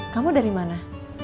kamu dari mana